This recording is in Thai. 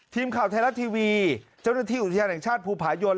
ทีมข่าวไทยรัฐทีวีเจ้าหน้าที่อุทยานแห่งชาติภูผายน